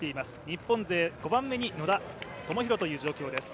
日本勢５番目に野田明宏という順位です。